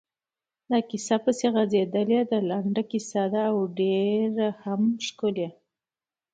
دا کیسه پسې غځېدلې ده، لنډه کیسه ده او ډېره هم ښکلې.